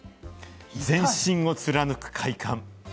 全身を貫く快感。